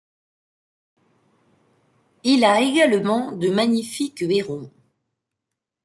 Il a également de magnifiques hérons.